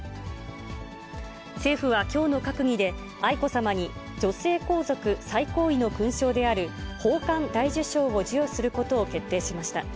政府はきょうの閣議で、愛子さまに、女性皇族最高位の勲章である、宝冠大綬章を授与することを決定しました。